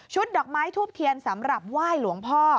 ดอกไม้ทูบเทียนสำหรับไหว้หลวงพ่อ